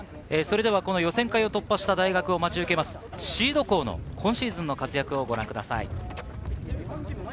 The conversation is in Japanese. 予選会を突破した大学を待ち受けるシード校の今シーズンの活躍をご覧ください。